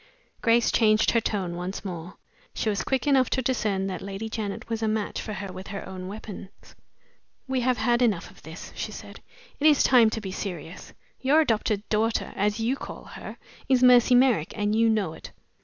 Grace changed her tone once more. She was quick enough to discern that Lady Janet was a match for her with her own weapons. "We have had enough of this," she said. "It is time to be serious. Your adopted daughter (as you call her) is Mercy Merrick, and you know it."